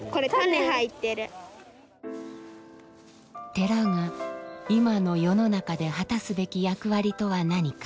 寺が今の世の中で果たすべき役割とは何か？